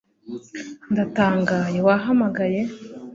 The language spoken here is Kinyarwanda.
Ndatangaye wahamagaye